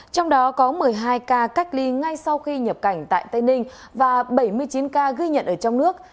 trong đó có một mươi hai ca cách ly ngay sau khi nhập cảnh tại tây ninh và bảy mươi chín ca ghi nhận ở trong nước